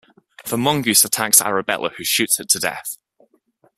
The mongoose attacks Arabella who shoots it to death.